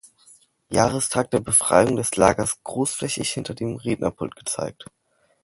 Jahrestag der Befreiung des Lagers großflächig hinter dem Rednerpult gezeigt.